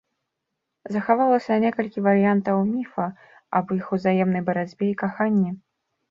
Захавалася некалькі варыянтаў міфа аб іх узаемнай барацьбе і каханні.